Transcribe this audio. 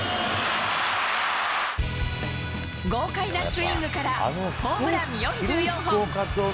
豪快なスイングから、ホームラン４４本。